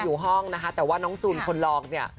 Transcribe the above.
อยู่ห้องนะคะแต่ว่าน้องจูนคนรองเนี่ย